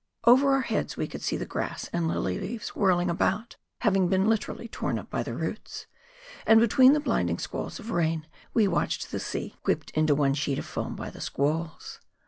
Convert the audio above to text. Over our heads we could see the grass and lily leaves whirling about, having been literally torn up by the roots, and between the bhnding squalls of rain we watched the sea, whipped into one sheet of foam by the squalls.